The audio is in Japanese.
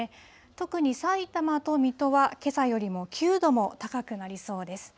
特にさいたまと水戸はけさよりも９度も高くなりそうです。